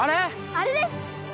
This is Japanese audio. あれです。